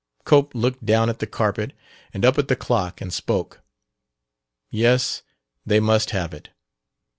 Cope looked down at the carpet and up at the clock, and spoke. Yes, they must have it.